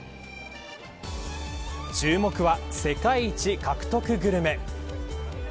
注目は世界一獲得グルメ。